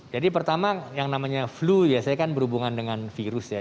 jadi pertama yang namanya flu biasanya kan berhubungan dengan virus ya